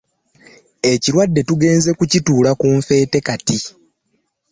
Ekirwadde tugenze tukituula ku nfeete kati.